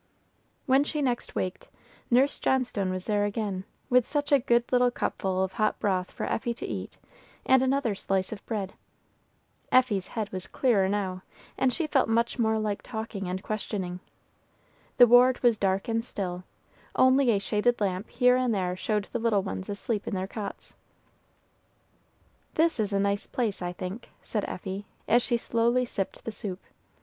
When she next waked, Nurse Johnstone was there again, with such a good little cupful of hot broth for Effie to eat, and another slice of bread. Effie's head was clearer now, and she felt much more like talking and questioning. The ward was dark and still, only a shaded lamp here and there showed the little ones asleep in their cots. "This is a nice place I think," said Effie, as she slowly sipped the soup.